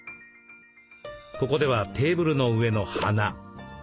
ここではテーブルの上の花。